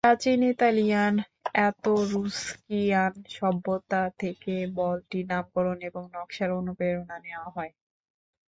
প্রাচীন Italian Etruscan সভ্যতা থেকে বলটির নামকরণ এবং নাকশার অনুপ্রেরণা নেওয়া হয়।